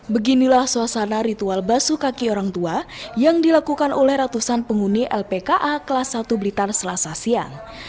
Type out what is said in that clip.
beginilah suasana ritual basuh kaki orang tua yang dilakukan oleh ratusan penghuni lpka kelas satu blitar selasa siang